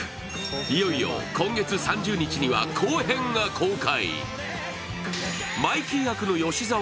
いよいよ今月３０日には後編が公開。